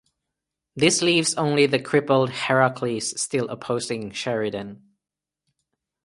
This leaves only the crippled "Heracles" still opposing Sheridan.